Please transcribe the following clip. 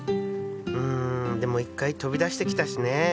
うんでも一回飛び出してきたしね。